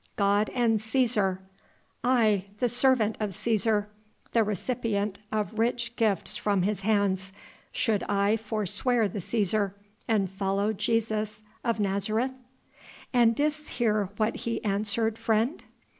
God and Cæsar! I, the servant of Cæsar the recipient of rich gifts from his hands should I forswear the Cæsar and follow Jesus of Nazareth?" "And didst hear what He answered, friend?"